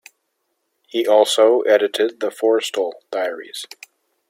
He also edited "The Forrestal Diaries".